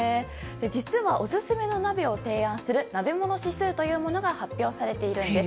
実は、オススメの鍋を提案する鍋もの指数というのが発表されているんです。